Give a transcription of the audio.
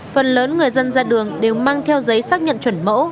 phần lớn người dân ra đường đều mang theo giấy xác nhận chuẩn mẫu